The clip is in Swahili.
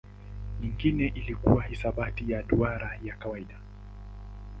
Nyingine ilikuwa hisabati ya duara ya kawaida.